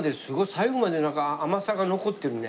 最後まで甘さが残ってるね。